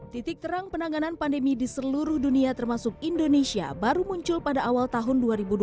titik terang penanganan pandemi di seluruh dunia termasuk indonesia baru muncul pada awal tahun dua ribu dua puluh